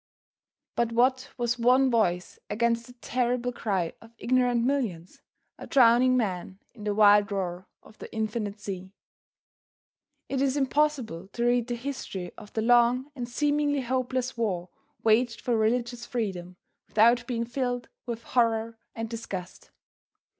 But what was one voice against the terrible cry of ignorant millions? a drowning man in the wild roar of the infinite sea. It is impossible to read the history of the long and seemingly hopeless war waged for religious freedom, without being filled with horror and disgust.